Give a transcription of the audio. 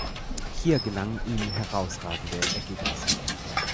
Hier gelangen ihm herausragende Ergebnisse.